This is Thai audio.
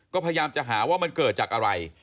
ก็พยายามจะหาว่ามันเกิดจากอะไร